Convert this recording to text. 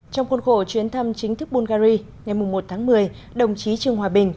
trong khuôn khổ chuyến thăm chính thức bungary ngày một tháng một mươi đồng chí trương hòa bình